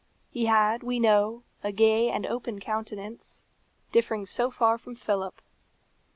He had, we know, a gay and open countenance, differing so far from Philip.